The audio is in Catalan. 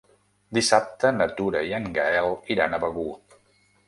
Dissabte na Tura i en Gaël iran a Begur.